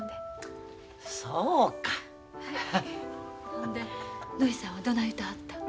ほんでぬひさんはどない言うてはった？